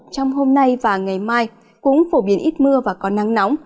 trong hôm nay và ngày mai cũng phổ biến ít mưa và có nắng nóng